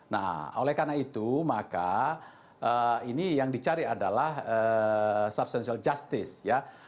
nah oleh karena itu maka ini yang dicari adalah substantial justice ya